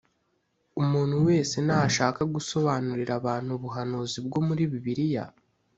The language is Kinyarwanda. umuntu wese nashaka gusobanurira abantu ubuhanuzi bwo muri Bibiliya